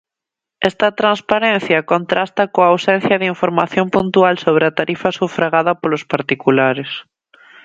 Esta transparencia contrasta coa ausencia de información puntual sobre a tarifa sufragada polos particulares.